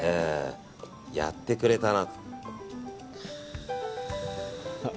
やってくれたな。